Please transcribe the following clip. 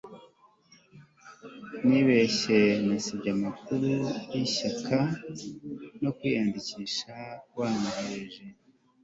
nibeshye nasibye amakuru yishyaka no kwiyandikisha wanyoherereje